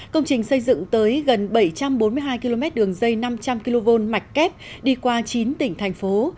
công trình xây dựng tới gần bảy trăm bốn mươi hai km đường dây năm trăm linh kv mạch kép đi qua chín tỉnh thành phố